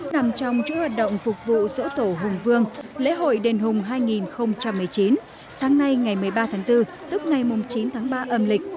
nằm trong chỗ hoạt động phục vụ dỗ tổ hùng vương lễ hội đền hùng hai nghìn một mươi chín sáng nay ngày một mươi ba tháng bốn tức ngày chín tháng ba âm lịch